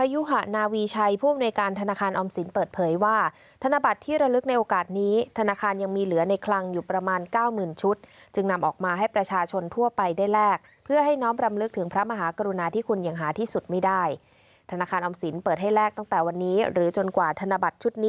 อยากได้เป็นที่ระลึกให้ลูกหลานเก็บไว้ดูครับ